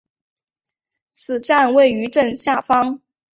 此站位于正下方。